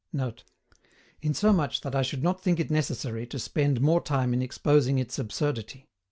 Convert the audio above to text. ] [Note: "Insomuch that I should not think it necessary to spend more time in exposing its absurdity.